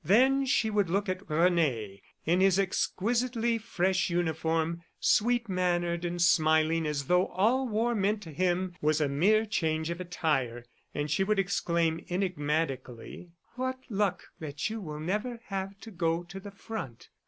... Then she would look at Rene in his exquisitely fresh uniform, sweet mannered and smiling as though all war meant to him was a mere change of attire, and she would exclaim enigmatically: "What luck that you will never have to go to the front!